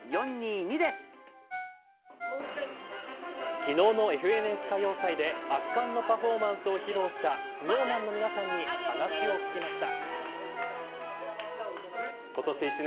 昨日のＦＮＳ歌謡祭で圧巻のパフォーマンスを披露したＳｎｏｗＭａｎの皆さんに話を聞きました。